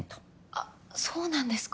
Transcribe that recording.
あっそうなんですか？